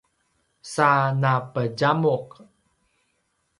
sa napedjamuq